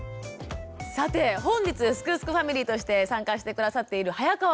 さて本日すくすくファミリーとして参加して下さっている早川さん。